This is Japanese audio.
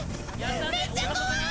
めっちゃ怖い！